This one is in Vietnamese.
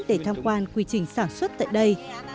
để tham quan quy trình sản xuất tại đây